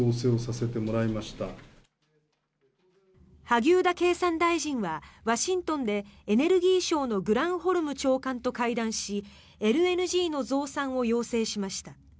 萩生田経産大臣はワシントンでエネルギー省のグランホルム長官と会談しＬＮＧの増産を要請しました。